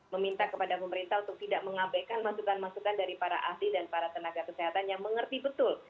meminta kepada pemerintah untuk tidak mengabaikan masukan masukan dari para ahli dan para tenaga kesehatan yang mengerti betul